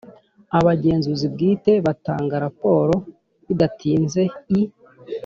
Abagenzuzi bwite batanga raporo bidatinze i